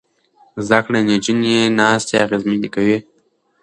زده کړې نجونې ناستې اغېزمنې کوي.